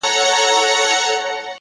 حوصله د سختیو ملګرې ده,